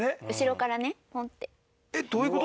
えっどういう事？